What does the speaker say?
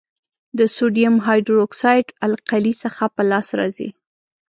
د سوډیم هایدرو اکسایډ القلي څخه په لاس راځي.